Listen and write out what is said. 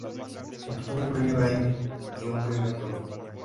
Obtuvo un premio Grammy y un premio Tony.